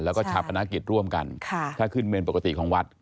แล้วก็ชาปนกิจร่วมกันถ้าขึ้นเมนปกติของวัด